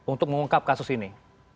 untuk mengungkap kasus ini